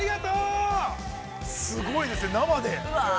◆すごいですね、生で。